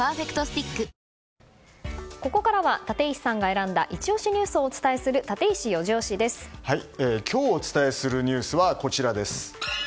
ここからは立石さんが選んだイチ推しニュースをお伝えする今日、お伝えするニュースはこちらです。